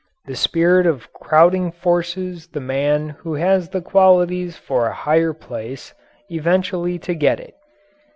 The spirit of crowding forces the man who has the qualities for a higher place eventually to get it.